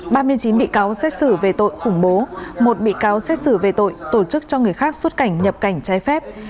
ba mươi chín bị cáo xét xử về tội khủng bố một bị cáo xét xử về tội tổ chức cho người khác xuất cảnh nhập cảnh trái phép